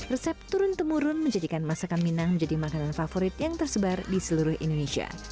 resep turun temurun menjadikan masakan minang menjadi makanan favorit yang tersebar di seluruh indonesia